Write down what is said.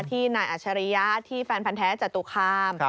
ที่นายอัชริยะที่แฟนพันธ์แท้จตุคาม